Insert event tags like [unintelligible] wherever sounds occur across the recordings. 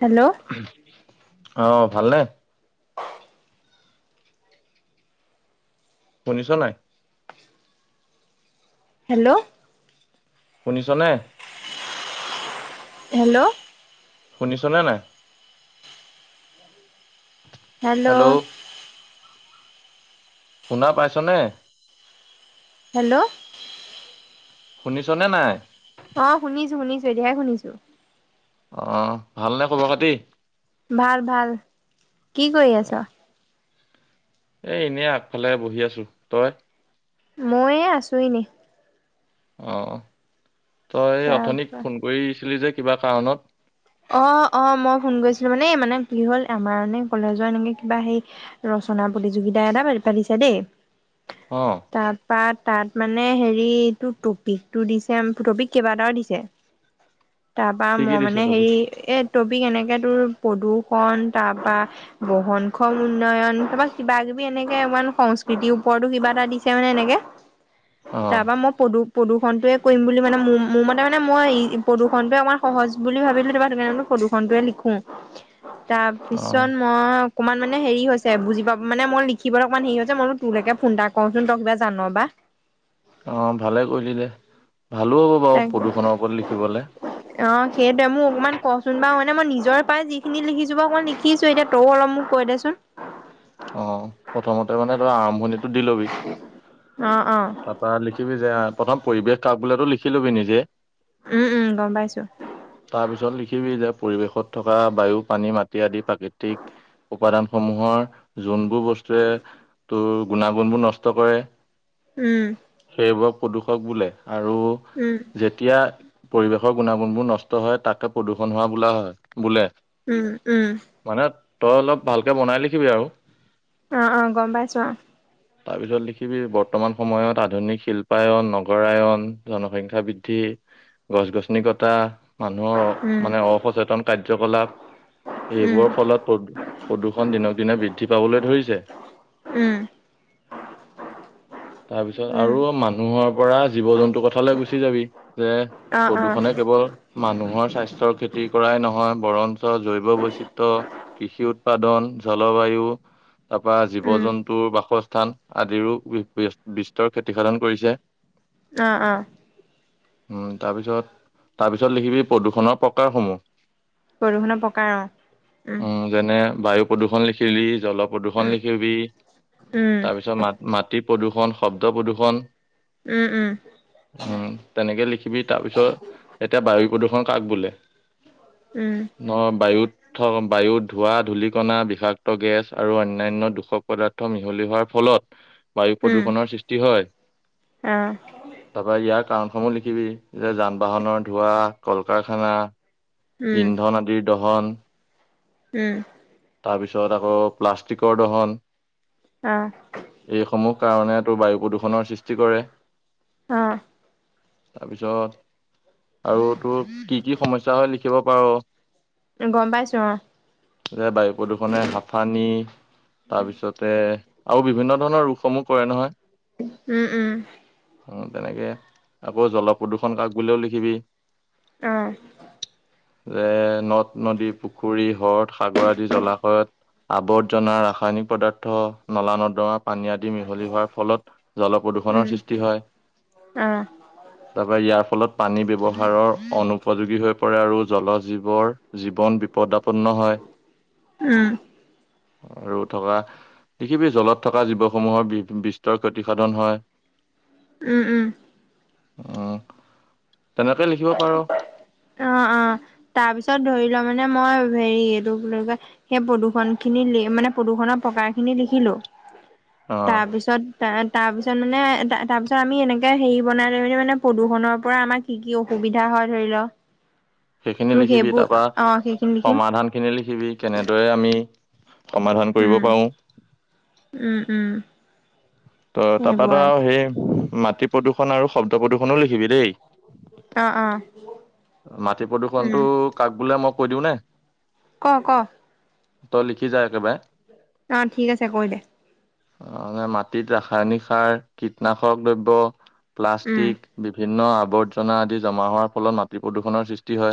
Hello অ', ভালনে? শুনিছ নাই? হেল্ল' শুনিছ নে? হেল্ল' শুনিছনে নাই? হেল্ল'! শুনা পাইছনে? হেল্ল'! শুনিছনে নাই? অ' শুনিছো, শুনিছো এতিয়াহে শুনিছো। অ' ভালনে খবৰ খাতি? ভাল, ভাল। কি কৰি আছ'? এ এনেই আগফালে বহি আছো। তই? মই এই আছো এনে। অ' তই অথনি তাৰপৰা ফোন কৰিছিলি যে কিবা কাৰণত? অ' অ' মই ফোন কৰিছিলো, মানে মানে কি হল আমাৰ মানে কলেজৰ এনেকে কিবা সেই ৰচনা প্ৰতিযোগিতা এটা পাতিছে দেই, অ' তাৰপা তাত মানে হেৰি, এইটো টপিকটো দিছে, টপিক কেইবাটাও দিছে। তাৰপা কি কি মই মানে দিছে টপিক হেৰি এ টপিক এনেকে তোৰ পপ্ৰদূষণ, তাৰ পৰা বহনক্ষম উন্নয়ন, তাৰপা কিবা কিবি এনেকে ইমান সংস্কৃতিৰ ওপৰতো কিবা এটা দিছে মানে এনেকে। তাৰ অ' পৰা মই প্ৰদূষণ প্ৰদূষণটোয়ে কৰিম বুলি মানে, মোৰ-মোৰ মতে মানে মই প্ৰদূষণটোয়ে অকমান সহজ বুলি ভাবিলো, [unintelligible] সেইটো কাৰণে বুলো প্ৰদূষণটোৱে লিখো। অ' তাৰপিছত মই অকণমান মানে হেৰি হৈছে, বুজি পা মানে মই লিখিবলৈ অকণমান হেৰি হৈছে, মই বুলো তোলেকে ফোন এটা কৰাচোন তই কিবা জান' বা। অ' ভালে কৰিলি দে ভালো হ'ব বাৰু তাকে প্ৰদূষণৰ ওপৰত লিখিবলৈ। অ', সেইটোৱে মোক অকণমান কচোন বা মানে মই নিজৰ পৰাই যিখিনি লিখিছো ব অকমান লিখিছো। এতিয়া তওঁ অলপ মোক কৈ দেচোন। অ', প্ৰথমতে মানে তই আৰম্ভণিত দি ল'বি, অ', অ', তাৰপৰা লিখিবি যে প্ৰথম পৰিৱেশ কাক বোলেতো লিখি লবি নিজে। উম, উম, গম পাইছো। তাৰ পিছত লিখিবি যে পৰিৱেশত থকা বায়ু, পানী, মাটি আদি প্ৰাকৃতিক উপাদানসমূহৰ যোনবোৰ বস্তুৱে তোৰ গুণাগুণবোৰ নষ্ট কৰে উম। সেইবোৰক প্ৰদূষক বোলে। আৰু উম, যেতিয়া পৰিৱেশৰ গুণাগুণবোৰ নষ্ট হয় তাকে প্ৰদূষণ হোৱা বোলা হয়, বোলে। উম', উম'। মানে তই অলপ ভালকৈ বনাই লিখিবি আৰু। অ', অ', গ'ম পাইছো অ'। তাপিছত লিখিবি বৰ্তমান সময়ত আধুনিক শিল্পায়ন, নগৰায়ন, জনসংখ্যা বৃদ্ধি, গছ গছনি কটা মানুহৰ অ' উম, মানে অসচেতন কাৰ্যকলাপ উম, এইবোৰ ফলত প্ৰদ প্ৰদূষণ দিনক দিনে বৃদ্ধি [unintelligible] ধইছে উম, তাপিছত উম। আৰু মানুহৰ পৰা জীৱ জন্তু কথালৈ গুচি যাবি, যে অ', অ', প্ৰদূষণে কেৱল মানুহৰ স্বাস্থ্যৰ ক্ষতি কৰাই নহয় বৰন জৈৱ বৈচিত্ৰ কৃষি উৎপাদন জলবায়ু [unintelligible] তাপা জীৱ উম, জন্তুৰ বাসস্থ থান আদিৰো উইব বেস্ত বিস্তৰ ক্ষতিসাধন কৰিছে। অ', অ', উম, তাপিছত তাপিছত লিখিবি প্ৰদূষণৰ প্ৰকাৰসমূহ। বৰষুণৰ প্ৰকাৰ অ', উম। বায়ু প্ৰদূষণ লিখিলি জল প্ৰদূষণ উম, লিখিবি, উম। তাৰপিছত মা মাটিত প্ৰদূষণ শব্দ প্ৰদূষণ। উম, উম, উম, তেনেকে লিখিবি তা পিছত, এতিয়া বায়ু প্ৰদূষণ কাক বোলে? উম, ন বায়ুত ঠগম বায়ুত ধোৱা ধূলিকনা বিষাক্ত গেছ আৰু অন্যান্য দোষক পদাৰ্থ মিহলি হোৱাৰ ফলত বায়ু উম, প্ৰদূষণৰ সৃষ্টি হয়। অ', [unintelligible] কাৰণসমূহ লিখিবি যে যান বাহনৰ ধোঁৱা, কল কাৰখানা উম, ইন্ধন আদিৰ দহন। উম। তাৰপিছত আকৌ প্লাষ্টিকৰ দহন। অ'। কাৰণেটো বায়ু প্ৰদূষণৰ সৃষ্টি কৰে। অহ তাপিছত, আৰু তোৰ কি কি সমস্যা হয় লিখিব পাৰ গম পাইছো অ', যে বায়ু প্ৰদূষণে হাফা উম, তাৰপিছতে আৰু বিভিন্ন ধৰণৰ ৰোগসমূহ কৰে নহয় উম, উম। অ' তেনেকে, আকৌ জলপ্ৰদূষণ কাক বুলেও লিখিবি। অ' যে নদ- নদী, পুখুৰী, হ্ৰদ, সাগৰ আদি জলাশয়ত আৱৰ্জনা, ৰাসায়নিক পদাৰ্থ, নলা নৰ্দমা পানী আদি মিহলি হোৱাৰ ফলত উম, জলপ্ৰদূষণৰ সৃষ্টি হয়। অ', তাৰপা ইয়াৰ ফলত পানী ব্যৱহাৰৰ অনুপযোগী হৈ পৰে আৰু জল জীৱৰ জীৱন বিপ পদপন্ন হয় উম, আৰু থকা পৃথিৱীৰ জলত থকা জীৱসমূহৰ বিস্তৰ ক্ষতিসাধন হয় উম, উম। অ' তেনেকৈ লিখিব পাৰ তাৰমানে মই হেৰি এইটো বুলি কয়, সেই প্ৰদূষন খিনি মানে প্ৰদূষণৰ প্ৰকাৰ খিনি লিখিলোঁ। অ তাৰপিছত তা, তাৰপিছত মানে, তা- তাৰপিছত আমি এনেকে হেৰি বনাই লৈ মেলি মানে প্ৰদূষণৰ পৰা আমাৰ কি কি অস সুবিধা হয় ধৰি ল সেইখিনি তোৰ লিখিবি, সেইবোৰ তাৰপা অ সেইখিনি লিখিম সমাধান খিনি লিখিবি, কেনেদৰে আমি সমাধান কৰিব উম পাৰোঁ। উম উম ত, তাপা তই সেইবোৰ আৰু সেই মাত টি, প্ৰদূষণ আৰু শব্দ প্ৰদূষণো লিখিবি দেই। অ', অ'। মাটি প্ৰদূষণটো উম কাক বোলে? মই কৈ দিওঁ নে? ক, ক। তই লিখি যা, একেবাৰে। অ', ঠিক আছে, কৈ, দে। অ', মাটিত ৰাসায়নিক সাৰ, কীটনাশক দ্ৰব্য। উম প্লাষ্টিক বিভিন্ন আৱৰ্জনা আদি জমা হোৱাৰ ফলত মাট প্ৰদূষণৰ সৃষ্টি হয়।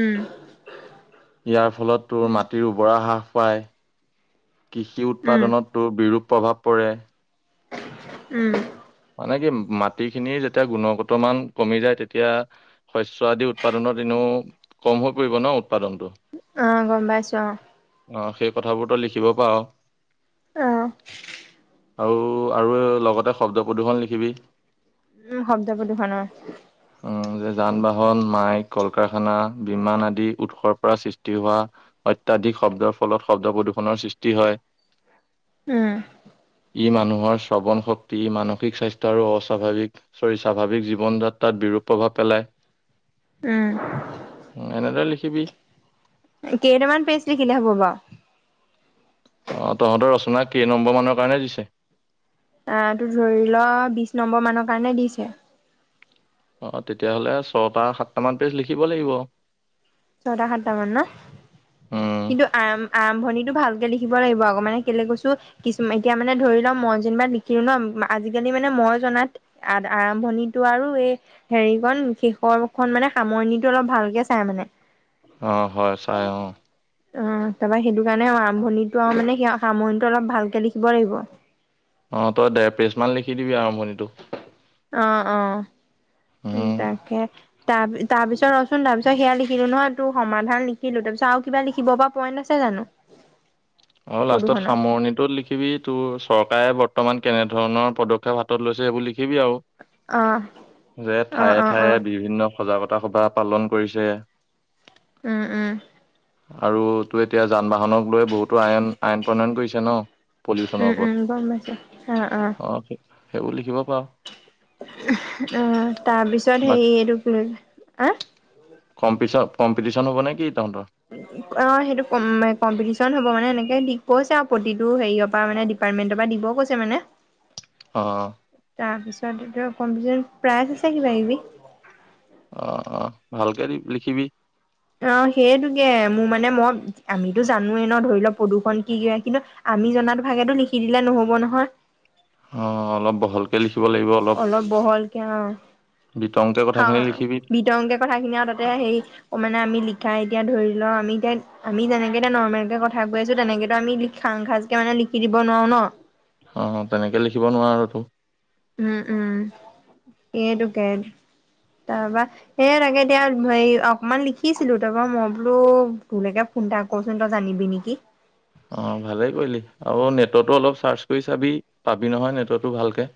উম ফলত তোৰ উম মাটিৰ উৰ্বৰহ্ৰা পায়। কৃষি উম উৎপাদনতো বিৰূপ প্ৰভাৱ পৰে। উম, মানে কি মাটিখিনি যেতিয়া গুণগত মান কমি যায় তেতিয়া শস্য আদি উৎপাদনত এনেও কম হৈ পৰিব ন। উৎপাদনটো অ, গম পাইছো অহ, অ, সেই কথাবোৰতো লিখিব পাৰ। অহ, আৰু- আৰু লগতে শব্দবো প্ৰদূৰণ লিখিবি। উম, শব্দ প্ৰদূষণৰ। উম, যে যান বাহন, মাইক, কল কাৰখানা, বিমান আদি উৎসৰ পৰা সৃষ্টি হোৱা অত্যাধিক শব্দৰ ফলত শব্দ প্ৰদূ্ষনৰৰ সৃষ্টি হয়। উম, ই মানুহৰ শ্ৰৱণ শক্তি মানসিক স্বাস্থ্য তাৰো অস্বাভাৱিক। চৰি স্বাভাৱিক জীৱনজাত তাত বিৰূপ প্ৰভাৱ উম, পেলায়। এনেত লি পৃথিৱী কেইটামান পেচ লিখিলে হ'ব বাৰু। অহ, তহতৰ ৰচনা কেই নম্বৰ মানৰ কাৰণে দিছে। আহ, তটো ধৰি ল বিশ নম্বৰ মানৰ কাৰণে দিছে। অ, তেতিয়াহ'লে ছটা সাতটামান পেজ লিখিব লাগিব। ছয়টা সাতটা মান ন উম কিন্তু আ আৰম্ভণিটো ভালকে লিখিব লাগিব আকৌ মানে কেলে কৈছো কিছু এতিয়া মানে ধৰি লম মই যেনিবা লিখিলো ন আজিকালি মানে মই জনাত আৰম্ভণিটো আৰু এই হেৰিখন শেষৰখন মানে সামৰণিটো অলপ ভালকে চাই মানে। অ হয় অ, চাই তাৰপা সেইটো সেইকাৰণে আৰম্ভণিটো আৰু মানে স সামৰণিটো অলপ ভালকে লিখিব লাগিব। অ, তই দেৰ পেজ মমান লিখি দিবি আৰম্ভণিটো। অ - অ। উম, তাকে। তাৰ তাৰপিছত ৰচোন তাৰপিছত সেয়া লিখিলো নহয় ত সমাধান লিখিলো তাৰপিছত আৰু কিবা লিখিব পৰা পইণ্ট আছে জানো। অ, লাষ্টত প্ৰদূষণৰ সামৰণিটোত লিখিবি তোৰ চৰকাৰে বৰ্তমান কেনে ধৰণৰ পদক্ষেপ হাতত লৈছে সেইবুলি। লিখিব আৰু অ যে অ ঠায়ে অ - অ ঠায়ে বিভিন্ন সজাগতা সভা পালন কৰিছে। উম - উম। আৰু তো এতিয়া যান বাহনক লৈ টো আইন আইন প্ৰণয়ন কৰিছে ন' পলিউচনৰ উম উম গম পাইছো অ ওপৰত অ'। সেইবোৰ লিখিব পাৰ। অ' তাৰপিছত হেৰি এইটো কি লৈ কমি কম্পিটিচন হ'ব নে কি তহঁতৰ? অ' সেইটো কম্পিটিচন হ'ব মানে এনেকে দিছে প্ৰতিটো হেৰিয়ৰ পৰা মে ডিপাৰ্টমেন্টৰ পৰা দিবও কৈছে মানে। অ'। [unintelligible] কম্পিটিন প্ৰাইজ আছে কিবা কিবি। অ' অ' ভালকে দি লিখিবি। অ, সেইটোকে মোৰ মানে মই আমিতো জানো ন' ধৰি লও প্ৰদূৰ্ষণ কি কি কিন্তু আমি জনাতো ভাগো লিখি দিলে নহব নহয়। অ' অলপ বহলকে লিখিব লাগিব অলপ বহলকে অ' বিতংকে কথাখিনি লিখিবি বিতংকে কথাখিনি আৰু তাতে হেই অ' মানে আমি লিখা এতিয়া ধৰি ল আমি এতিয়া আমি যেনেকে এতিয়া নৰ্মেল কে কথা কৈ আছো তেনেকেতো আমি খাং সাজ কে মানে লিখি দিব নোৱাৰো ন'। অ' তেনেকে লিখিব নোৱাৰা আৰু তো। উম, উম। সেইটোকে তাৰপৰা সে তাকে এতিয়া হে অকমান লিখিছিলো তাৰপৰা মই বোলো তোলকে ফোন এটা কৰচোন তই জানিবি নেকি? অ' ভালেই কৰিলি আৰু নেটৰ্টো অলপ চাৰ্চ কৰি চাবি পাবি নহয় নেটৱৰ্টো ভালকে।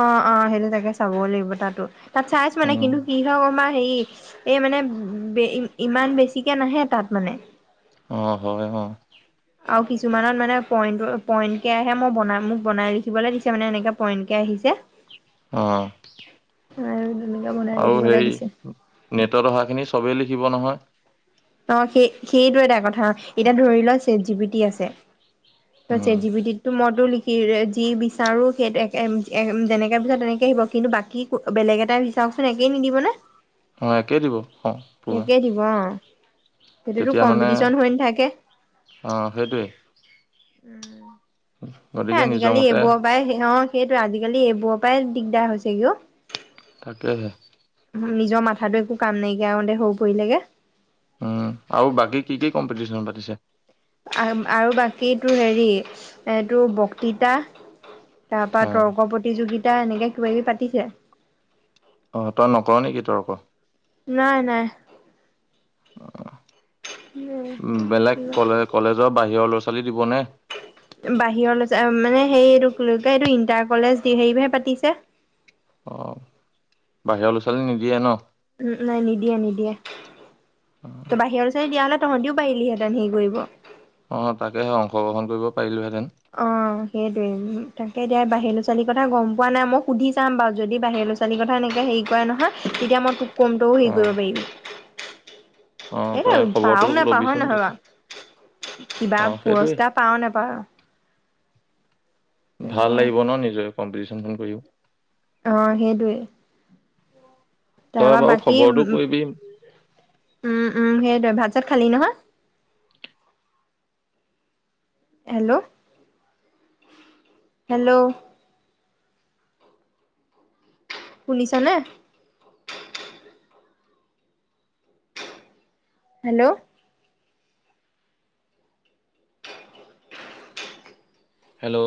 অ' অ' সেইটো তাকে চাব লাগিব তাতো। তাত চাইছ মানে কিন্তু কি হয় আমাৰ হেৰি এই মানে ইমান বেছিকে নাহে তাত মানে। অ', হয়, অ'। আৰু কিছুমানত মানে পইণ্ট, পইণ্টকে আহে মই বনাম মোক বনাই লিখিবলৈ দিছে মানে, এনেকে পইণ্টকে আহিছে। অ', আৰু তেনেকে বনাই আৰু লিখিবলৈ হেৰি দিছে নেটত অহাখিনি চবেই লি লিখিব নহয়। অ', সেই, সেইটো এটা কথা এতিয়া ধৰি লোৱা চেত জি পিটি আছে। চেত জি পিটি টোত‌ মইতো লিখ সিৰে যি বিচাৰোঁ সেই [unintelligible] যেনেকে বিচাৰোঁ, তেনেকে আহিব কিন্তু বাকী বেলেগ এটা বিচাৰক চোন একেই নিদিব নে? অ', একেই দিব অ', [unintelligible] একেই দিব অ সেইটোতো কম্পিটিচন হৈ নাথাকে? অঁ সেইটোৱেই উম। এই, গতিকে নিজৰ আজিকালি মতে এইবোৰ পাই সিহঁত সেইটোৱে আজিকালি এইবোৰৰ পৰাই দিগদাৰ হৈছেগৈ অ'। তাকেহে। নিজৰ মাথাাটো একো কাম নাইকিয়া [unintelligible] হৈ পৰিলেগে। উম, আৰু বাকী কি, কি কম্পিটিচন পাতিছে? আ-আৰু বাকী তোৰ হেৰি, এইটো বক্তৃতা। তাপা অঁ তৰ্ক প্ৰতিযোগি ট এনেকে কিবা কিবি পাতিছে। অ তই নক নেকি তৰ্ক? নাই নাই। উ বেলেগ কলে কলেজৰ বাহিৰৰ ছোৱালী দিবনে বাহিৰলৈ মানে সেইটোক লে এইটো ইণ্টাৰ কলেজ দি সেইৰিহে পাতিছে অ বাহিৰৰা ল'ৰা ছোৱালী নিদিয়ে ন উম নাই নিদিয়ে নিদিয়ে ত' বাহিৰৰওৰৰত দিয়া হ'লে তহঁতিও পাৰিলিহেঁতেন সেইৰি কৰিব অ তাকেহে অংশগ্ৰহণ কৰিব পাৰিলোহে অ সেইোৱি তাকে এতিয়া বাহিৰ ল'ৰা ছোৱালীৰ কথা গম পোৱা নাই মই সুধি চাম বাৰু যদিাহিৰ ল'ৰাোৱালীৰ কথা এনেকৈ হেৰি কৰে নহয় তেতিয়া মই কমটোও অ হেৰি কৰিব পাৰি অ এইটো তই পাও খবৰটো নোপাওঁ ল'বিচোন নহয় ব তেতিয়া কিবা অ সেইটোৱে পুৰস্কাৰ পাও নোপাওঁ ভাল লাগিব ন নিজ কম্পিটি জংঘল কৰিও অ সেইটোৱে তই তাৰপৰা বাৰু বাকী উম, খবৰটো কৰিবিম উম উম সেইটে ভাত চাত খালি নহয় হেল্ল' হেল্ল' শুনিছ নে হেল্ল' হেল্ল'